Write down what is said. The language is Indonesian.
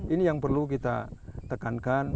ini yang perlu kita tekankan